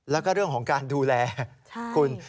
แล้วก็เรื่องของการดูแลคุณ